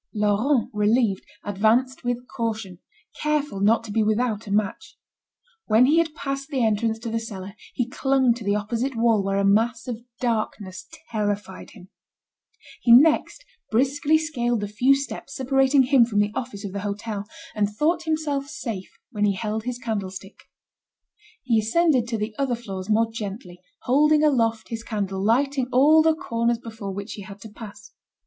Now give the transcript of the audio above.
Laurent, relieved, advanced with caution, careful not to be without a match. When he had passed the entrance to the cellar, he clung to the opposite wall where a mass of darkness terrified him. He next briskly scaled the few steps separating him from the office of the hotel, and thought himself safe when he held his candlestick. He ascended to the other floors more gently, holding aloft his candle, lighting all the corners before which he had to pass.